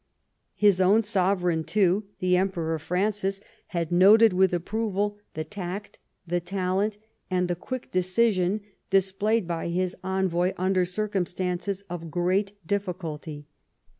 His own sovereign, too, the Emperor Francis, had 14 LIFE OF PBINCE METTEBNICE. noted with approval the tact, the talent, and the quick decision, displayed by his envoy under circumstances of great difficulty.